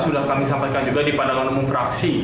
sudah kami sampaikan juga di pandangan umum fraksi